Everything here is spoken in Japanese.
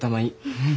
うん！